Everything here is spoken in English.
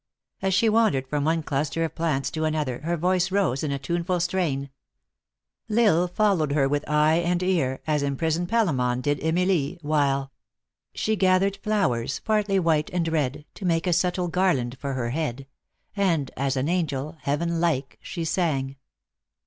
As she wandered from one cluster of plants to another, her voice rose into a tuneful strain. 9* 210 THE ACTRESS IN HIGH LIFE. L Isle followed her with eye and ear, as imprisoned Palamon did Emilie, while " She gathered flowers, partly white and red, To make a subtle garland for her head, And as an angel, heaven like she sang."